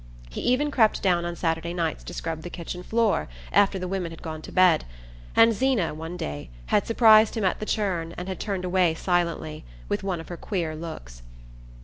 He even crept down on Saturday nights to scrub the kitchen floor after the women had gone to bed; and Zeena, one day, had surprised him at the churn and had turned away silently, with one of her queer looks.